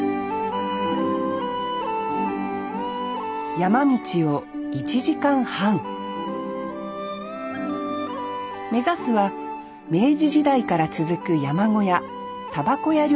山道を１時間半目指すは明治時代から続く山小屋煙草屋旅館です